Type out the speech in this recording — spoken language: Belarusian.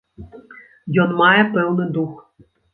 Ён мае пэўны дух.